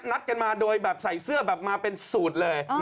นัดกันมาโดยแบบใส่เสื้อแบบมาเป็นสูตรเลย